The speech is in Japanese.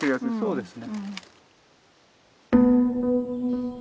そうです。